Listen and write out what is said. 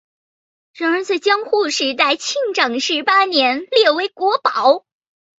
然而在江户时代庆长十八年列为国宝。